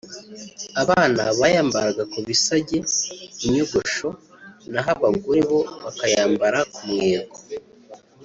Abana bayambaraga ku bisage (inyogosho) naho abagore bo bakayambara ku mweko